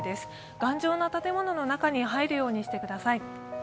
頑丈な建物の中に入るようにしてください。